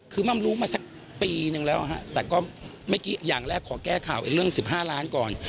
คือม่ำรู้มาสักปีนึงแล้วฮะแต่ก็เมื่อกี้อย่างแรกขอแก้ข่าวเรื่อง๑๕ล้านก่อน